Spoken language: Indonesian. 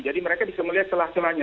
jadi mereka bisa melihat celah celahnya